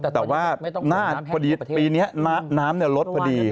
แต่ว่าน้ำนี้ตอนนี้ลดพอดี